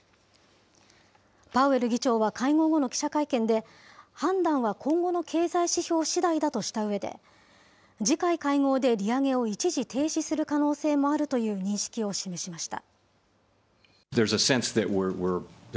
パウエル議長は会合後の記者会見で、判断は今後の経済指標しだいだとしたうえで、次回会合で利上げを一時停止する可能性もあるという認識を示しました。